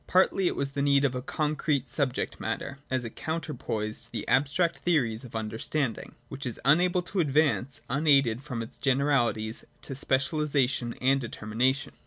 Partly it was the need of a concrete subject matter, as a counterpoise to the abstract theories of the understanding, which is unable to advance unaided from its generalities to specialisation and determination.